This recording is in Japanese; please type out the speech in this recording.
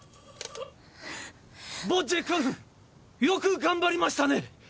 よく頑張りましたね！